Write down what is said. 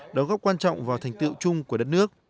đóng góp quan trọng vào thành tựu chung của đất nước